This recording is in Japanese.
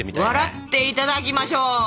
笑っていただきましょう！